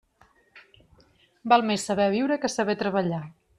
Val més saber viure que saber treballar.